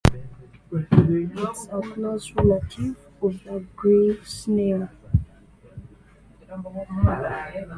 It is a close relative of the Grove Snail.